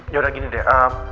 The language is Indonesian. ya udah gini deh